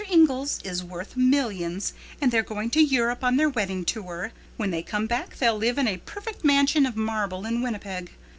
Inglis is worth millions, and they're going to Europe on their wedding tour. When they come back they'll live in a perfect mansion of marble in Winnipeg.